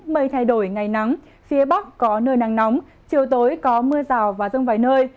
mây thay đổi ngày nắng phía bắc có nơi nắng nóng chiều tối có mưa rào và rông vài nơi